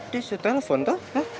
dia sudah telfon tuh